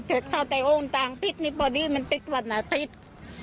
เท็จเท่าแต่โอ้งต่างพิษนี่พอดีมันติดวันอาทิตย์